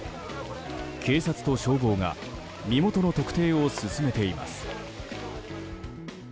警察と消防が身元の特定を進めています。